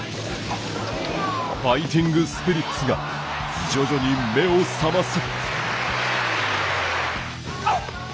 ファイティングスピリッツが徐々に目を覚ます。